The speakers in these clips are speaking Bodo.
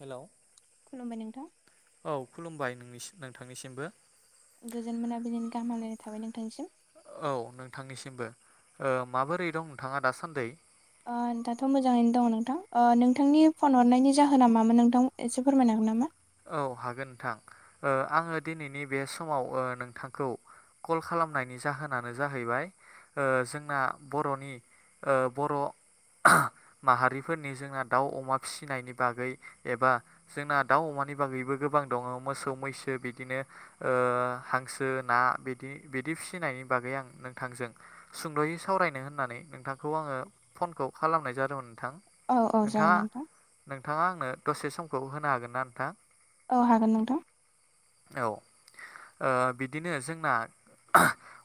हेलौ। खुलुमबाय नोंथां। औ खुलुमबाय नोंनिसिम नोंथांनिसिमबो। गोजोन मोनाबिलिनि गाहाम हामलायनाय थाबाय नोंथांनिसिम। औ नोंथांनिसिमबो ओ माबोरै दं नोंथाङा दासान्दै? ओ दाथ' मोजाङैनो दङ' नोंथां ओ नोंथांनि फन हरनायनि जाहोना मामोन नोंथां एसे फोरमायनो हागोन नामा? औ हागोन नोंथां ओ आङो दिनैनि बे समाव ओ नोंथांखौ कल खालामनायनि जाहोनानो जाहैबाय ओ जोंना बर'नि ओ बर' माहारिफोरनि जोंना दाउ अमा फिसिनायनि बागै एबा जोंना दाउ अमानि बागैबो गोबां दङ' मोसौ मैसो बिदिनो ओ हांसो ना बिदि बिदि फिसिनायनि बागै आं नोंथांजों सुंद'यै सावरायनो होननानै नोंथांखौ आङो फनखौ खालामनाय जादोंमोन। औ औ जागोन नोंथां। थाङा आंनो दसे समखौ होनो हागोन ना नोंथां? औ हागोन नोंथां। औ ओ बिदिनो जोंना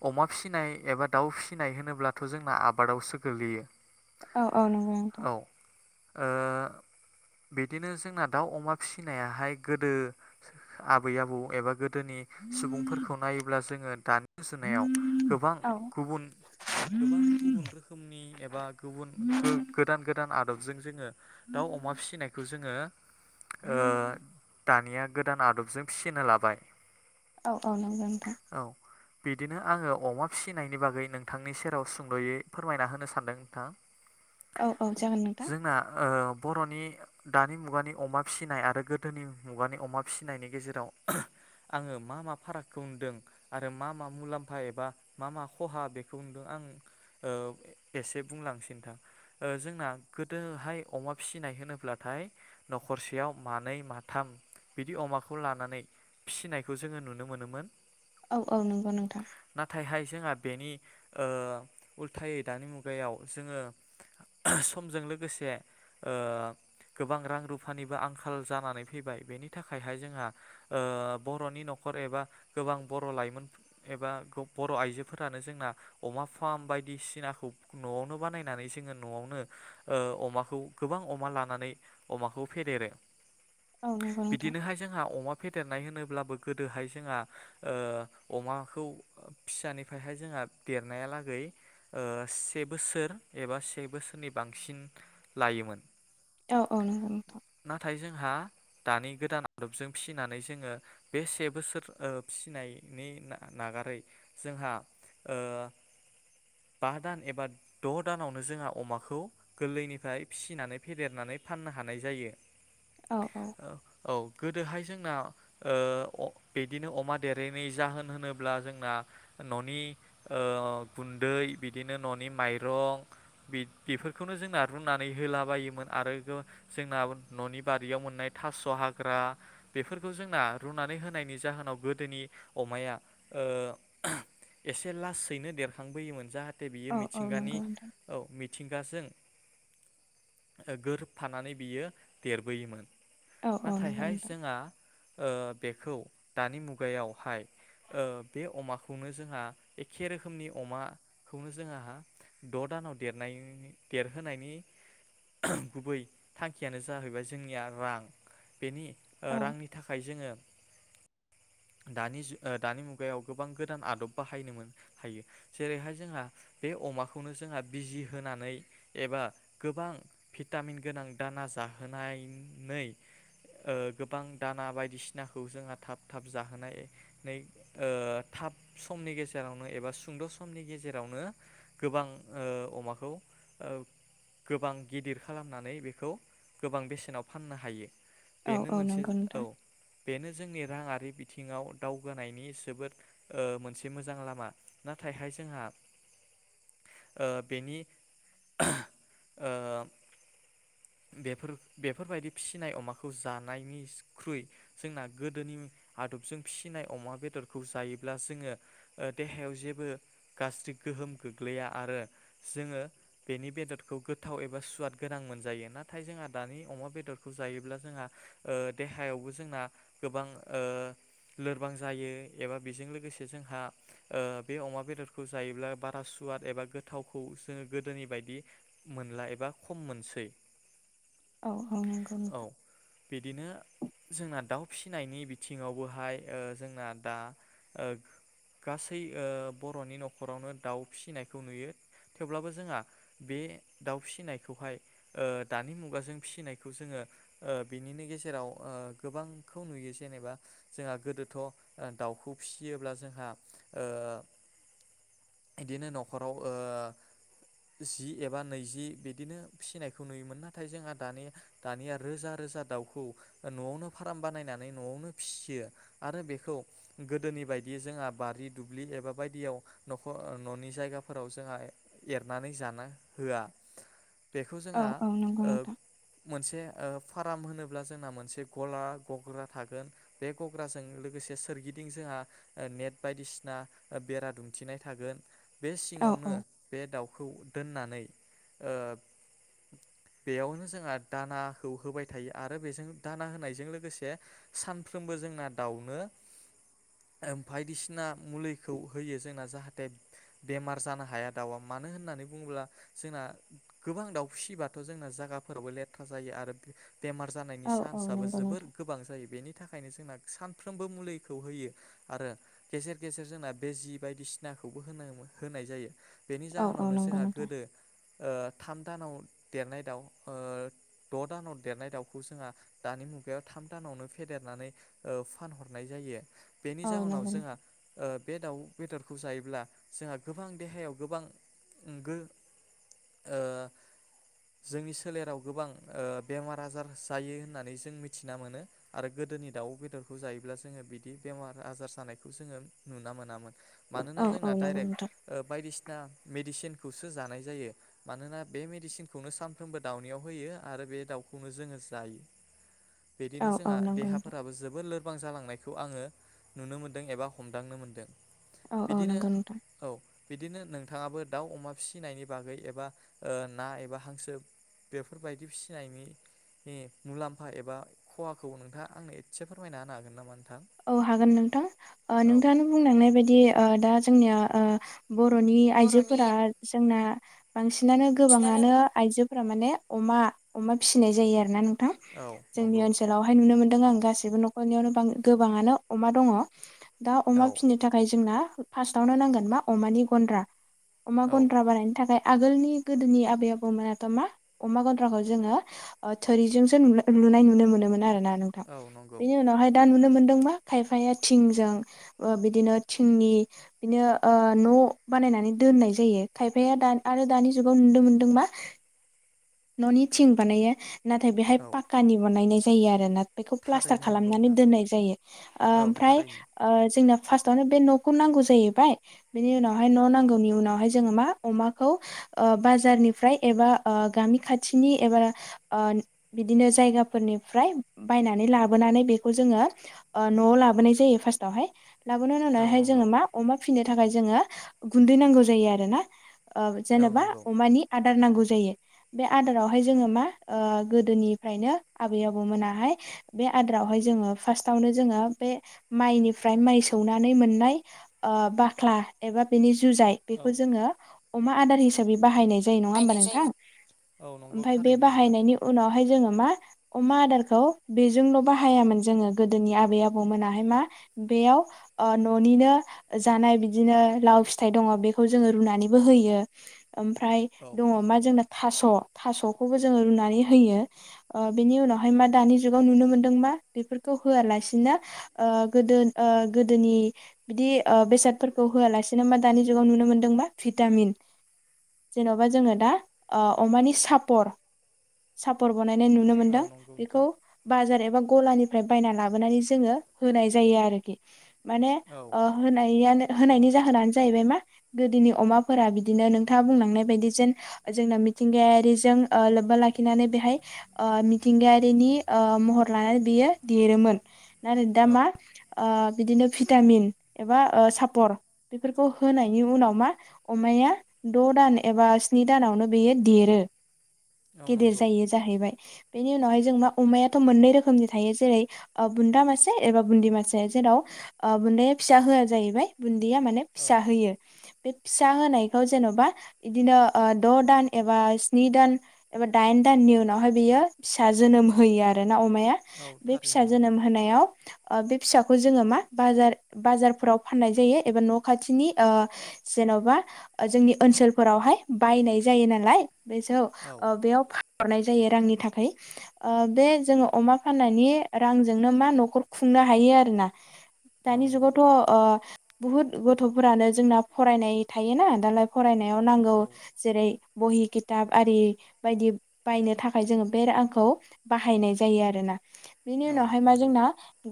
अमा फिनाय एबा दाउ फिनाय होनोब्लाथ' जोंना आबादावसो गोलैयो। औ औ नंगौ नोंथां। ओ बिदिनो जोंना दाउ अमा फिसिनायाहाय गोदो आ बै आबौ एबा गो दोनि सुबुंफोरखौ नायोब्ला जोङो दानि रुजुनायाव गोबां औ गुबुन गोबां गुबुन रोखोमनि एबा गुबुन गो गोदान गोदान आदब जों जोङो दाउ अमा फिसिनायखौ जोङो ओ दानिया गोदान आदबजों फिसिनो लाबाय औ औ नोंगौ नोंथां औ बिदिनो आङो अमा फिसिनायनि बागै नोंथांनि सेराव सुंद'यै फोरमायना होनो सानदों नोंथां। औ औ जागोन नोंथां। जोंना ओ बर'नि दानि मुगानि अमा फिसिनाय आरो गोदोनि मुगानि अमा फिसिनायनि गेजेर राव आङो मा मा फारागखौ नुदों आरो मा मा मुलाम्फा एबा मा मा खहा बेखौ नुदों आं ओ एसे बुंलांनोसै नोंथां ओ जोंना गोदोहाय अमा फिसिनाय होनोब्लाथाय न'खरसेयाव मानै माथाम बिदि अमाखौ खौ लानानै फिनायखौ जोङो नुनो मोनोमोन औ औ नंगौ नोंथां नाथायहाय जोंहा बेनि ओ उल्थायै दानि मुगायाव जोङो समजों लोगोसे ओ गोबां रां रुफानिबो आंखाल जानानै फैबाय बेनि थाखायहाय जोंहा ओ बर'नि न'खर एबा गोबां बर' लाइमोन एबा बर' आइजोफोरानो जोंना अमा फार्म बायदिसिनाखौ न'आवनो बानायनानै जोङो न'आवनो ओ अमाखौ गोबां अमा लानानै अमाखौ फेदेरो औ नंगौ नोंथां बिदिनोहाय जोंहा अमा फेदेरनाय होनोब्लाबो गोदोहाय जोंहा ओ अमाखौ फिसानिफ्रायहाय जोंहा देरनायालागै से बोसोर एबा से बोसोरनि बांसिन लायोमोन औ औ नोंगौ नोंथां हा दानि गोदान आदबजों फिनानै जोङो बे से बोसोर ओ फिसिनायनि नागारै जोंहा ओ बा दान एबा द' दानावनो जोंहा अमाखौ गोरलैनिफ्राय फिनानै फेदेरनानै फाननो हानाय जायो। औ औ गोदोहाय जोंना ओ बिदिनो अमा देरैनि जाहोन होनोब्ला जोंना न'नि ओ गुन्दै बिदिनो न'नि माइरं बेफोरखौनो जोंना रुनानै होला बायोमोन आरो जोंना न'नि बारियाव मोननाय थास' हाग ग्रा बेफोरखौ जोंना रुनानै होनायनि जाहोनाव गोदोनि अमाया ओ एसे लासैनो देरखांबोयोमोन जाहाथे दे बियो औ औ मिथिंगानि नंगौ नोंथां औ मिथिंगाजों गोरोबफानानै बियो देरबोयोमोन औ औ नंगौ नाथायहाय नोंथां जोंहा ओ बेखौ दानि मुगायावहाय ओ बे अमाखौनो जोंहा एखे रोखोमनि अमाखौनो जोंहा द दानाव देरनायनि देरहोनायनि गुबै थांखियानो जाहैबाय जोंनिया रां बेनि औ रांनि थाखाय जोङो दानि दानि मुगायाव गोबां गोदान आदब बाहायनो मोन हायो जेरैहाय जोंहा बे अमाखौनो जोंहा बिजि होनानै एबा गोबां भिटामिन गोनां दाना जाहोनायनै गोबां दाना बायदिसिनाखौ जोंहा थाब थाब जाहोनाय नै ओ थाब समनि गेजेरावनो एबा सुंद समनि गेजेरावनो गोबां ओ अमाखौ गोबां गिदिर खालामनानै बेखौ गोबां बेसेनाव फाननो हायो औ बेनो औ मोनसे नंगौ नोंथां बेनो जोंनि रांङारि बिथिंआव दावगानायनि जोबोद ओ मोनसे मोजां लामा नाथायहाय जोंहा ओ बेनि ओ बेफोर बेफोरबायदि फिसिनाय अमाखौ जानायनिख्रुइ जोंना गोदोनि आदबजों फिसिनाय अमा बेदरखौ जायोब्ला जोङो देहायाव जेबो गाज्रि गोहोम गोग्लैया आरो जोङो बेनि बेदरखौ गोथाव एबा सुवाद गोनां मोनजायो नाथाय जोंहा दानि अमा बेदरखौ जायोब्ला जोंहा देहायावबो जोंना गोबां ओ लोरबां जायो एबा बेजों लोगोसे जोंहा ओ बे अमा बेदरखौ जायोब्ला बारा सुवाद एबा गोथावखौ जोङो गोदोनि बायदि मोनला एबा खम मोनसै औ औ नंगौ औ नोंथां बिदिनो जोंना दाउ फिसिनायनि बिथिं सिङावबोहाय ओ जोंना दा गासै ओ बरनि नखरावनो दाउ फिसिनायखौ नुयो थेवब्लाबो जोंहा बे दाउ फिसिनायखौहाय दानि मुगाजों फिसिनायखौ जोङो बिनिनो गेजेराव गोबांखौ नुयो जेनेबा जोंहा गोदोथ दाउखौ फिसियोब्ला जोंहा ओ बिदिनो नखराव ओ जि एबा नैजि बिदिनो फिसिनायखौ नुयोमोन नाथाय जोंहा दानि दानिया रोजा रोजा दाउखौ नआवनो फार्म बानायनानै नआवनो फिसियो आरो बेखौ गोदोनि बायदि जोंहा बारि दुब्लि एबा बायदियाव नखर ननि जायगाफोराव जोंहा एरनानै जानो होआ बेखौ जोंहा औ- औ नंगौ ओ नोंथां। मोनसे ओ फार्म होनोब्ला जोंना मोनसे गला गग्रा थागोन। बे गग्राजों लोगोसे सोरगिदिं जोंहा नेट बायदिसिना बेरा दुमथिनाय थागोन। बे औ सिङावनो औ बे दाउखौ दोननानै ओ बेयावनो जोंहा दानाखौ होबाय थायो। आरो बेजों दाना होनायजों लोगोसे सान फ्रोमबो जोंना दाउनो बायदिसिना मुलिखौ होयो। जोंना जाहाथे बेमार जानो हाया दाउआ मानो होननानै बुङोब्ला जोंना गोबां दाउ फिसिबाथ' जोंना जायगाफोरावबो लेथ्रा जायो आरो बेमार जानायनि औ औ चान्सआबो नंगौ जोबोर नोंथां गोबां जायो बेनि बेनि थाखायनो जोंना सानफ्रोमबो मुलिखौ होयो आरो गेजेर -गेजेर जोंना बेजि बायदिसिनाखौबो होनो- होनाय जायो। बेनि औ औ जाहोनावनो नंगौ जोंहा नोंथां गोदो ओ थाम दानाव देरनाय दाउ द दानाव देरनाय दाउखौ जोंहा दानि मुगायाव थाम दानावनो फेदेरनानै ओ फानहरनाय जायो। बेनि औ जाहोनाव नंगौ जोंहा नोंथां ओ बे दाउ बेदरखौ जायोब्ला जोंहा गोबां देहायाव गोबां गो ओ जोंनि सोलेराव गोबां ओ बेमार आजार जायो होननानै जों मिथिना मोनो। आरो गोदोनि दाउ बेदरखौ जायोब्ला जोङो बिदि बेमार आजार जानायखौ जोङो नुना मोनामोन। मानोना औ औ जोंना नंगौ डाइरेक्ट नोंथां बायदिसिना दा मेडिसिनखौसो जानाय जायो। मानोना बे मेडिसिनखौनो सानफ्रोमबो दाउनियाव होयो आरो बे दाउखौनो जोङो जायो। औ बिदिनो औ जोंहा नंगौ नोंथां देहाफोराबो जोबोर [unintelligible] गोबां जालांनायखौ आंङो नुनो मोन्दों एबा हमदांनो मोनदों। औ -औ बिदिनो नोंगौ नोंथां। औ बिदिनो नोंथाङाबो दाउ, अमा फिसिनायनि बागै एबा ओ ना एबा हांसो बेफोरबायदि फिसिनायनि- नि मुलाम्फा एबा खहाखौ [unintelligible] आंनो एसे फोरमायना होनो हागोन नामा? नोंथां? औ हागोन नोंथां ओ औ नोंथाङानो बुंलांनाय बायदि ओ दा [unintelligible] ओ बर'नि बर'नि आइजोफोरा जोंना बांसिनानो बांसिनानो गोबाङानो आइजो [unintelligible] माने अमा -अमा फिसिनाय जायो आरोना [unintelligible] औ [unintelligible] जोंनि नंगौ ओनसोलावहाय नुनो [unintelligible] नों आं गासिबो नख'रनियावनो [unintelligible] गोबाङानो अमा दङ। दा औ अमा फिसिनो थाखाय जोंना फार्स्टआवनो नांगोन मा अमानि गन्द्रा। अमा औ गन्द्रा बानायनो थाखाय आगोलनि गोदोनि आबै -आबौमोनाथ' मा अमा गन्द्राखौ जोङो ओ थोरिजोंसो लुनाय ओ लुनाय नुनो मोनोमोन आरो। [unintelligible] नोंथां औ नंगौ बेनि उनावहायानो दा नुनो दों मा खायफाया थिंजों ओ बिदिनो थिंनि बिदिनो ओ न' बानायनानै दोननाय जायो खायफाया दा आरो दानि जुगाव नुनो मोनदों मा न'नि थिं बानायो नाथाय बेहाय औ पाकानि बानायनाय जायो आरो ना बेखौ प्लास्टार थारैनो नंगौ खालामनानै नोंथां दोननाय जायो ओ औ ओमफ्राय थारैनो ओ जोंना फार्स्टआवनो बे न'खौ नांगौ जाहैबाय बेनि उनावहाय न' नांगौनि उनावहाय जोङो मा अमाखौ ओ बाजारनिफ्राय एबा ओ गामि खाथिनि एबा ओ बिदिनो जायगाफोरनिफ्राय बायनानै लाबोनानै बेखौ जोङो ओ न'आव लाबोनाय जायो फार्स्टआवहाय लाबोनायनि औ उनावहाय नंगौ जोङो मा अमा फि नो थाखाय जोङो गुन्दै नांगौ जायो आरो ना ओ औ जेनेबा नंगौ अमानि आ दार नांगौ जायो बे आदारावहाय जोङो मा ओ गोदोनिफ्रायनो आबै आबौ मोनाहाय बे आदारावहाय जोङो फार्स्टावनो जोङो बे माइनिफ्राय माइ सौनानै मोननाय ओ बाख्ला एबा बेनि जुजाय औ बेखौ जोङो अमा आदार हिसाबै बाहायनाय जायो नङा होमबा बाहायनाय जायो नोंथां न औ नंगौ ओमफाय बे थारैनो नोंथां बाहायनायनि उनाव हाय जोङो मा अमा आदारखौ बेजोंल' बाहायामोन जोङो गोदोनि आबै आबौ मोनाहाय मा बेयाव ओ न'निनो जानाय बिदिनो लाव फिथाइ दङ बेखौ जोङो रुनानैबो होयो। ओमफ्राय औ दङ मा जोंना थास' थास'खौबो‌ जोङो रुनानै होयो। ओ बेनि उनावहाय मा दानि जुगाव नुनो मोनदो मा बेफोरखौ होआलासिनो ओ गोदो ओ गोदोनि बिदि ओ बेसादफोरखौ होआलासेनो मा दानि जुगाव नुनो मोनदोंबा भिटामिन जेनेबा जोङो दा ओ अमानि सापर सापर बानायनाय नुनो औ मोनदों नंगौ बेखौ नोंथां बाजार एबा गलानिफ्राय बायना लाबोनानै जोङो होनाय जायो आरोखि। माने औ ओ होनायानो होनायनि जाहोनानो जाहैबाय मा गोदोनि अमाफोरा बिदिनो नोंथाङा बुंलांनाय बायदि जेन जोंना मिथिंगाया रिजों ओ लोब्बा लाखिनानै बेहाय ओ मिथिंगायारिनि ओ महर लानानै बेयो देरोमोन नाथाय दा औ मा ओ बिदिनो भिटामिन एबा ओ सापर बेफोरखौ होनायनि उनाव मा अमाया द' दान एबा स्नि दानावनो बेयो देरो। औ गेदेर नंगौ जायो जाहैबाय। बेनि उनावहाय जों मा अमायाथ' मोननै रोखोमनि थायो जेरै ओ बुन्दा मासे एबा बुन्दि मासे जेराव ओ बुन्दाया फिसा होआ जाहैबाय बुन दिया माने औ फिसा होयो। बे फिसा होनायखौ जेन'बा इदिनो ओ द' दान एबा स्नि स्नि दान एबा दाइन दाननि उनावहाय बियो फिसा जोनोम होयो आरो ना अमाया औ बे फिसा थारैनो नंगौ जोनोम होनायाव ओ बे फिसाखौ जोङो मा बाजार बाजारफोराव फाननाय जायो एबा न' खाथिनि ओ जेन'बा ओ जोंनि ओनसोलफोरावहाय बायनाय जायो नालाय। बेसौ औ ओ बेयाव फा हरनाय जायो रांनि थाखाय ओ बे जोङो अमा फाननायनि रांजोंनो मा न'खर खुंनो हायो आरो ना। औ दानि नंगौ जुगावथ' ओ बुहुत गथ'फोरानो जोंना फरायनाय थायोना दालाय फरायनाय आव नांगौ औ जेरै बहिकित दाब आरि बायदि बायनो थाखाय जोङो बे रांखौ बाहायनाय जायो आरोना। बेनि उनावहाय मा नंगौ जोंना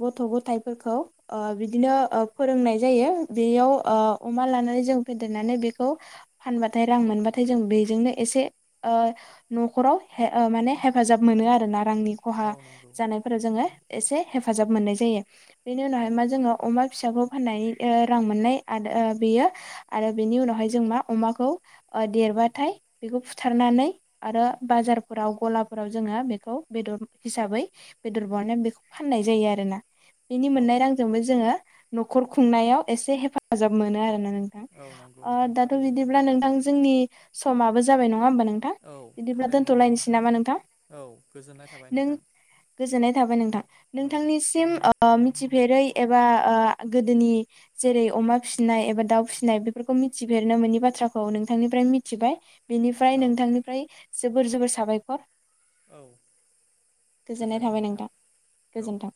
गथ' - गथाइ फोरखौ ओ बिदिनो ओ फोरोंनाय जायो बेयाव ओ अमा लानानै जों फेदेरनानै बेखौ फानबाथाय रां मोनबाथाय जों बेजोंनो एसे ओ न'खराव माने हेफाजाब मोनो आरोना। रांनि खहा औ नंगौ जानायफोराव जोङो एसे हेफाजाब मोननाय जायो। बेनि औ उनावहाय मा जोङो अमा फिसाखौ फाननानै ओ रां मोननाय आद बेयो आरो बेनि उनावहाय जों मा अमाखौ ओ देरबाथाय बेखौ फुट सिथारनानै आरो बाजारफोराव गलाफोराव जोङो बेखौ बेदर हिसाबै बेदर बावनाय बेखौ फाननाय जायो आरोना। बेनि औ मोननाय रांजोंबो जोङो न'खर खुंनायाव एसे हेफाजाब मोनो आरोना नों थां औ नंगौ ओ नोंथां दाथ' थारैनो बिदिब्ला नोंथां जोंनि समाबो जाबाय नङा। नङा ओमबा नों नोंथां औ बिदिब्ला थारैनो नंगौ दोन्थ'लायनोसै नामा नोंथां? औ गोजोननाय थाबाय नों नोंथां गोजोननाय थाबाय नोंथां औ नोंथांनिसिम ओ मिथि फेरै एबा ओ गोदोनि जेरै अमा फिसिनाय एबा दाउ फिसिनाय बेफोरखौ मिथिफेरनो मोनै बाथ्राखौ नोंथांनिफ्राय मिथिबाय बिनि ओमफाय औ नोंथांनिफ्राय जोबोर - जोबोर साबायखर। औ गोजोननाय थाबाय नोंथां औ गोजोन्थों।